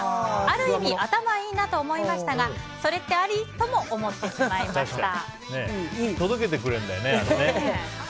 ある意味頭いいなと思いましたがそれってあり？とも思ってしまいました。